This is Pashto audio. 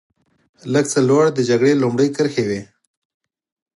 لږ څه لوړ د جګړې لومړۍ کرښې وې.